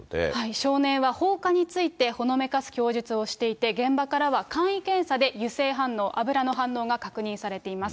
少年は放火について、ほのめかす供述をしていて、現場からは簡易検査で油性反応、油の反応が確認されています。